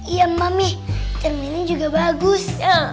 iya mami temen ini juga bagus